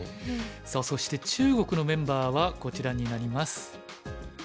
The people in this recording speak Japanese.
さあそして中国のメンバーはこちらになります。